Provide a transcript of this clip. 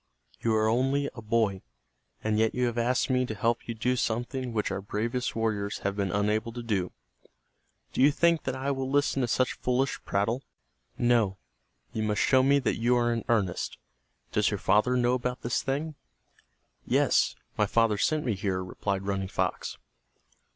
"You are only a boy, and yet you have asked me to help you do something which our bravest warriors have been unable to do. Do you think that I will listen to such foolish prattle? No. You must show me that you are in earnest. Does your father know about this thing!" "Yes, my father sent me here," replied Running Fox.